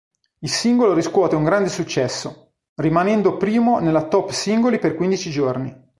Il singolo riscuote un grande successo, rimanendo primo nella Top Singoli per quindici giorni.